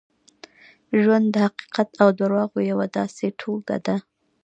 ژوند د حقیقت او درواغو یوه داسې ټولګه ده.